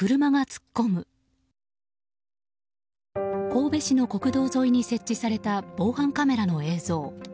神戸市の国道沿いに設置された防犯カメラの映像。